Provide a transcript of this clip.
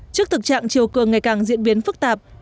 trước thực trạng chiều cường ngày càng diễn biến phức tạp